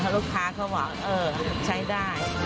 ลูกค้าเขาบอกเออใช้ได้